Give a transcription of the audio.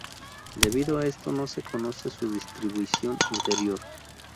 Debido a esto no se conoce su distribución interior.